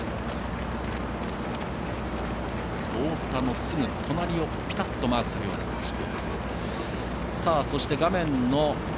太田のすぐ隣をぴたっとマークするように走っています。